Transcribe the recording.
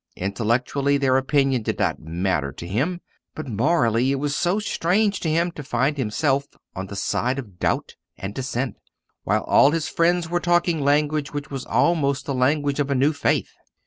Intellectually, their opinion did not matter to him; but morally it was so strange to him to find himself on the side of doubt and dissent, while all his friends were talking language which was almost the language of a new faith!